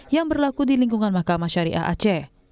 yang berlaku di lingkungan mahkamah syariah aceh